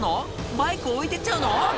バイク置いてっちゃうの？